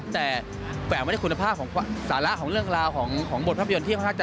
แต่แวบไปในคุณภาพสาระของเรื่องราวของบทพระพยนตร์ที่เขาน่าจะ